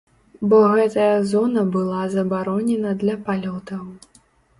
Бо гэтая зона была забаронена для палётаў.